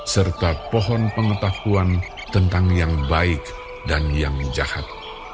serta pohon pengetahuan tentang yang baik dan yang jahat